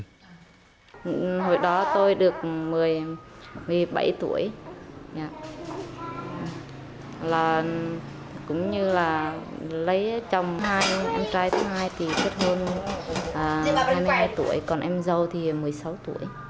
hồi đó tôi được một mươi bảy tuổi cũng như là lấy chồng hai em trai thứ hai thì kết hôn hai mươi hai tuổi còn em dâu thì một mươi sáu tuổi